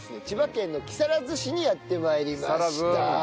千葉県の木更津市にやって参りました。